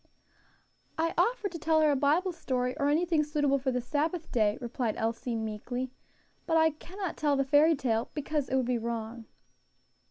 "I offered to tell her a Bible story, or anything suitable for the Sabbath day," replied Elsie, meekly, "but I cannot tell the fairy tale, because it would be wrong."